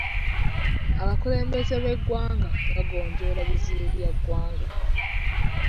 Abakulembeze b'eggwanga bagonjoola bizibu bya ggwanga.